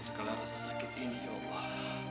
segala rasa sakit ini ya allah